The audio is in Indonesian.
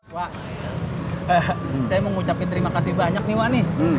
wah saya mau ngucapin terima kasih banyak nih wah nih